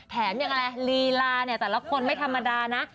แถมยังไงลีลาเนี่ยแต่ละคนไม่ธรรมดานะ